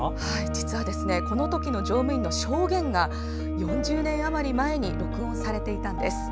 実はこの時の乗務員の証言が４０年余り前に録音されていたんです。